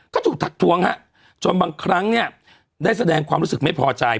ก็ถูกทักทวงฮะจนบางครั้งเนี่ยได้แสดงความรู้สึกไม่พอใจ